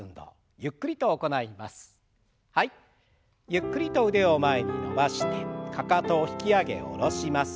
ゆっくりと腕を前に伸ばしてかかとを引き上げ下ろします。